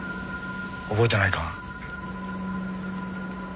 覚えてないか？